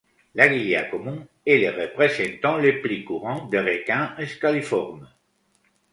L'aiguillat commun est le représentant le plus courant des requins squaliformes.